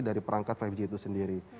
dari perangkat lima g itu sendiri